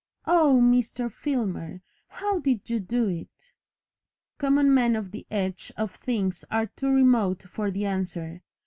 'Oh, Mr. Filmer, how DID you do it?' "Common men on the edge of things are too remote for the answer.